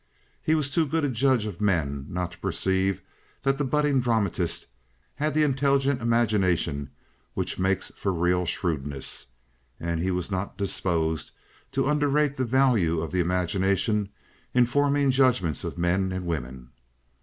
He was too good a judge of men not to perceive that the budding dramatist had the intelligent imagination which makes for real shrewdness, and he was not disposed to underrate the value of the imagination in forming judgments of men and women.